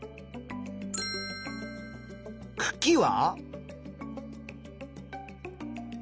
くきは？